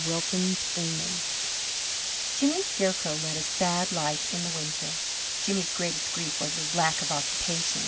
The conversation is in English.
WILKINS FREEMAN Jimmy Scarecrow led a sad life in the winter. Jimmy's greatest grief was his lack of occupation.